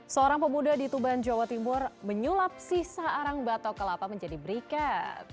seorang pemuda di tuban jawa timur menyulap sisa arang batok kelapa menjadi berikat